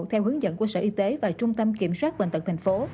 theo hướng dẫn của sở y tế và trung tâm kiểm soát bệnh tật thành phố